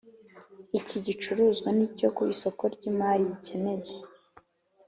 iki gicuruzwa ni cyo ku isoko ry imari gikeneye